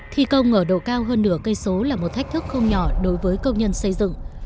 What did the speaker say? thi công ở độ cao hơn nửa cây số là một thách thức không nhỏ đối với công nhân xây dựng